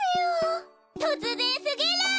とつぜんすぎる！